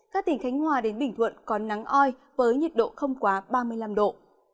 các tỉnh khánh hòa đến bình thuận có nắng oi với nhiệt độ không quá ba mươi năm độ